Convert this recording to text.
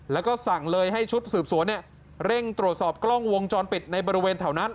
แล้วก็สั่งเลยให้ชุดสืบสวนเร่งตรวจสอบกล้องวงจรปิดในบริเวณแถวนั้น